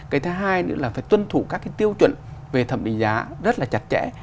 cái thứ hai nữa là phải tuân thủ các cái tiêu chuẩn về thẩm định giá rất là chặt chẽ